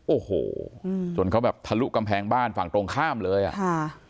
โอ้โหจนเขาแบบทะลุกำแพงบ้านฝั่งตรงข้ามเลยอ่ะค่ะ